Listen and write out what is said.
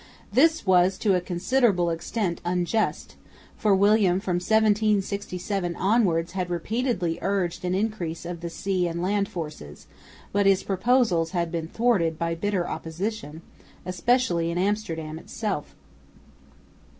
This was to a considerable extent unjust, for William from 1767 onwards had repeatedly urged an increase of the sea and land forces, but his proposals had been thwarted by bitter opposition, especially in Amsterdam itself.